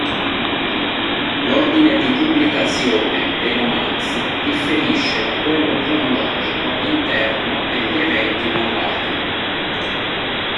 L'ordine di pubblicazione dei romanzi differisce da quello cronologico interno degli eventi narrati.